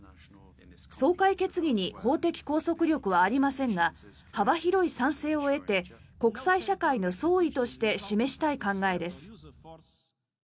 総会決議に法的拘束力はありませんが幅広い賛成を得て国際社会の総意として示したい考えです。